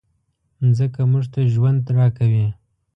مځکه موږ ته ژوند راکوي.